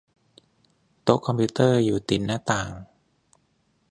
โต๊ะคอมพิวเตอร์อยู่ติดหน้าต่าง